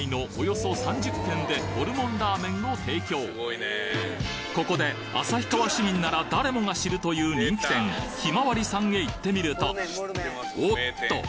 現在ここで旭川市民なら誰もが知るという人気店ひまわりさんへ行ってみるとおっと！